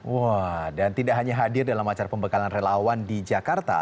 wah dan tidak hanya hadir dalam acara pembekalan relawan di jakarta